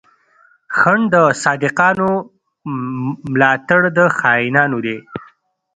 خنډ د صادقانو، ملا تړ د خاينانو دی